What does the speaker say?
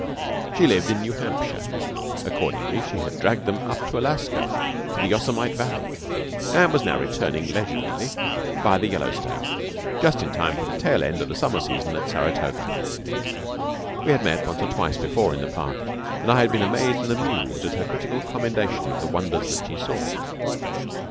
She lived in New Hampshire. Accordingly, she had dragged them up to Alaska and to the Yosemite Valley, and was now returning leisurely, via the Yellowstone, just in time for the tail end of the summer season at Saratoga. We had met once or twice before in the park, and I had been amazed and amused at her critical commendation of the wonders that she saw.